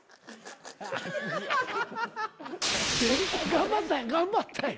頑張った頑張ったんや。